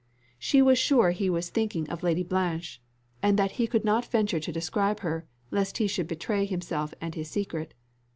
She was sure he was thinking of Lady Blanche, and that he could not venture to describe her, lest he should betray himself and his secret.